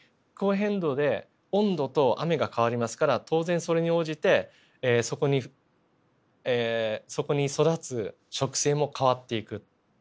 気候変動で温度と雨が変わりますから当然それに応じてそこにそこに育つ植生も変わっていく。